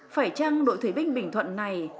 phải chăng đội thủy binh bình thuận này